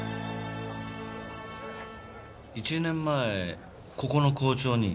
１年前ここの校長に？